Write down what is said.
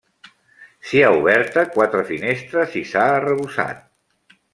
S'hi ha oberta quatre finestres i s'ha arrebossat.